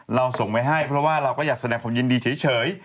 ส่งไว้ให้เพราะว่าเราก็อยากแสดงความยินดีเฉย